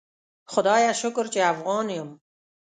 خدایه شکر چی افغان یم